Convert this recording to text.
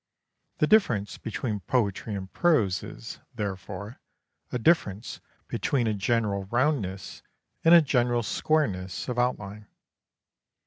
The difference between poetry and prose is, therefore, a difference between a general roundness and a general squareness of outline.